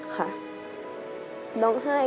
ขอบคุณครับ